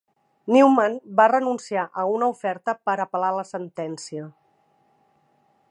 Newman va renunciar a una oferta per apel·lar la sentència.